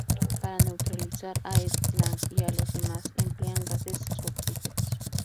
Para neutralizar a Ed, "Lang" y a los demás, emplean gases somníferos.